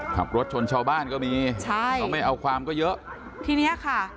ขับรถชนชาวบ้านก็มีใช่เขาไม่เอาความก็เยอะทีเนี้ยค่ะ